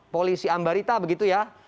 polisi ambarita begitu ya